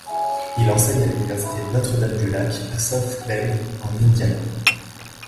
Il enseigne à l'université Notre-Dame-du-Lac, à South Bend, en Indiana.